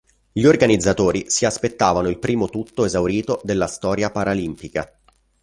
Gli organizzatori si aspettavano il primo tutto esaurito della storia paralimpica.